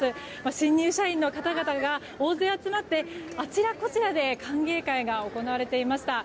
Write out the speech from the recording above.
新入社員の方々が大勢集まってあちらこちらで歓迎会が行われていました。